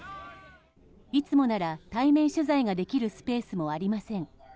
いつもなら対面取材ができるスペースもありません。